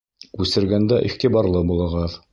Күсергәндә иғтибарлы булығыҙ